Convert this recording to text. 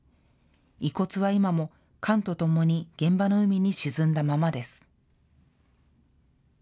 遺骨は今も艦とともに現場の海に沈んだままです。